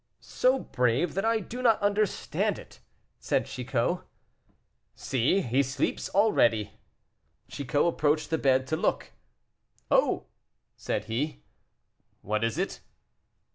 "So brave that I do not understand it," said Chicot. "See, he sleeps already." Chicot approached the bed to look. "Oh!" said he. "What is it?"